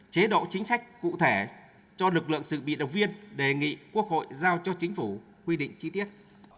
chế độ chính sách cụ thể cho lực lượng dự bị động viên đề nghị quốc hội giao cho chính phủ quy định chi tiết